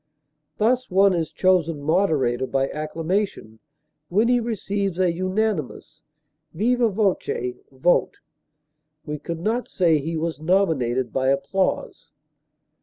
Thus one is chosen moderator by acclamation when he receives a unanimous viva voce vote; we could not say he was nominated by applause.